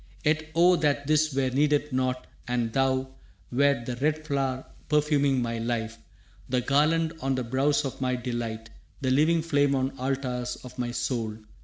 «Yet oh that this were needed not, and thou Wert the red flower perfuming my life, The garland on the brows of my delight, The living flame on altars of my soul!